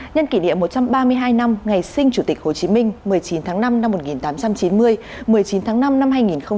nhân kỷ niệm một trăm ba mươi hai năm ngày sinh chủ tịch hồ chí minh một mươi chín tháng năm năm một nghìn tám trăm chín mươi một mươi chín tháng năm năm hai nghìn hai mươi